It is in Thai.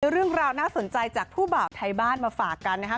เรื่องราวน่าสนใจจากผู้บ่าวไทยบ้านมาฝากกันนะครับ